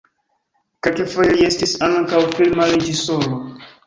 Kelkfoje li estis ankaŭ filma reĝisoro.